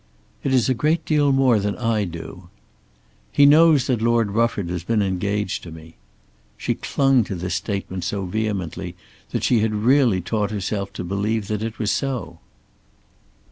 "It is a great deal more than I do." "He knows that Lord Rufford has been engaged to me." She clung to this statement so vehemently that she had really taught herself to believe that it was so.